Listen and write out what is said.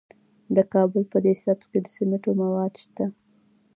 د کابل په ده سبز کې د سمنټو مواد شته.